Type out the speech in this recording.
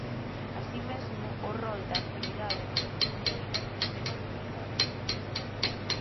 Así mesmo, o rol da actividade manufactureira tendeu a debilitarse.